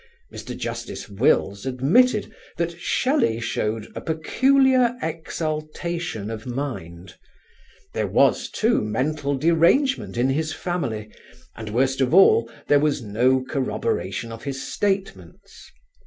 Mr. Justice Wills admitted that Shelley showed "a peculiar exaltation" of mind; there was, too, mental derangement in his family, and worst of all there was no corroboration of his statements.